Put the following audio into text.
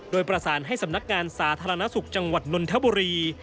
โดยประสานให้สำนักงานสาธารณสุขจังหวัดนนทบุรี